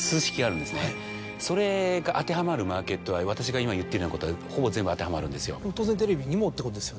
それが当てはまるマーケットは私が今言ってるようなことがほぼ全部当てはまるんですよ。